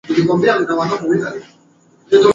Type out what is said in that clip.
Na kuna mahususiano makubwa sana kati ya Watusi na Waha